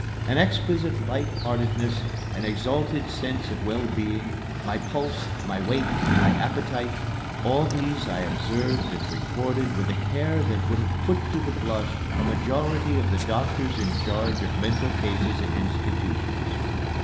An exquisite light heartedness, an exalted sense of wellbeing, my pulse, my weight, my appetite all these I observed and recorded with a care that would have put to the blush a majority of the doctors in charge of mental cases in institutions.